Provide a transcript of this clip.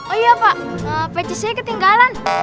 oh iya pak peci saya ketinggalan